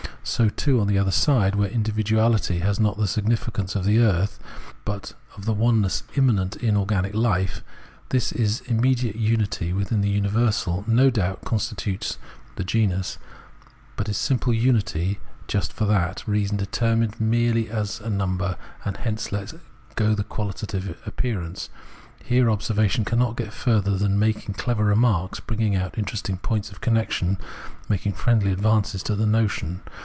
So too on the other side, where individuahty has not the significance of the earth, but of the oneness immanent in organic hfe, this, in immediate unity with the universal, no doubt con stitutes the genus, but its simple unity is just for that reason determined merely as a number, and hence lets go the quahtative appearance ; here observation cannot get further than making clever remarks, bringing out interesting points of connection, making friendly ad vances to the notion.